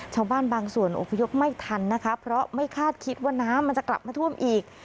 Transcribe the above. ชาวบ้านบางส่วนอพยพไม่ทันนะคะเพราะไม่คาดคิดว่าน้ำมันจะกลับมาท่วมอีก